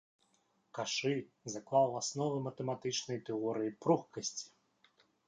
Кашы заклаў асновы матэматычнай тэорыі пругкасці.